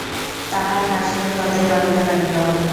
তাহার হাসিও ততই বাড়িতে লাগিল।